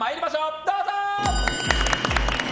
どうぞ！